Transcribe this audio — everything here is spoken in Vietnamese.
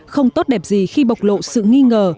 không tốt đẹp gì khi bộc lộ sự nghi ngờ